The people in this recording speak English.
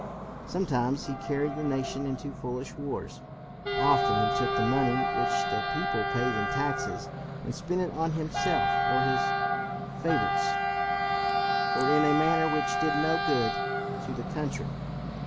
Sometimes he carried the nation into foolish wars. Often he took the money which the people paid in taxes and spent it on himself or his favorites, or in a manner which did no good to the country.